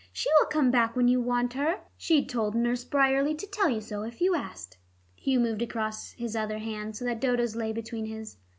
She will come back when you want her. She told Nurse Bryerley to tell you so, if you asked." Hugh moved across his other hand, so that Dodo's lay between his.